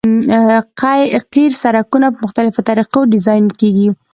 قیر سرکونه په مختلفو طریقو ډیزاین کیږي